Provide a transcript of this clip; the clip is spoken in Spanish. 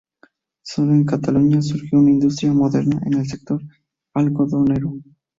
Sólo en Cataluña surgió una industria moderna en el sector algodonero.